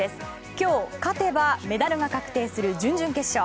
今日、勝てばメダルが確定する準々決勝。